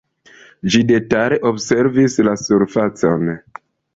Ĝi detale observis la surfacon.